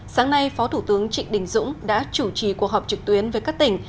sáng nay phó thủ tướng trịnh đình dũng đã chủ trì cuộc họp trực tuyến với các tỉnh